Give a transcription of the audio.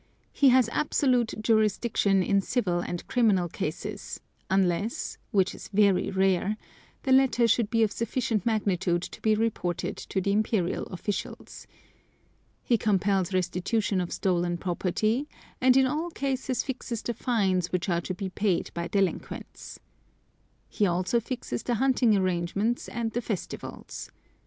He has absolute jurisdiction in civil and criminal cases, unless (which is very rare) the latter should be of sufficient magnitude to be reported to the Imperial officials. He compels restitution of stolen property, and in all cases fixes the fines which are to be paid by delinquents. He also fixes the hunting arrangements and the festivals.